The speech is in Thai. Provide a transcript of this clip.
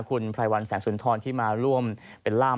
คุณไพรวัลแสงสุนทรที่มาร่วมเป็นล่าม